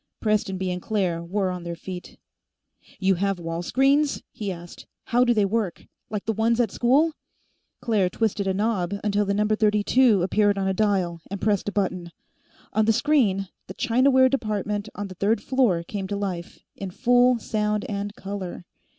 Prestonby and Claire were on their feet. "You have wall screens?" he asked. "How do they work? Like the ones at school?" Claire twisted a knob until the number 32 appeared on a dial, and pressed a button. On the screen, the Chinaware Department on the third floor came to life in full sound and color.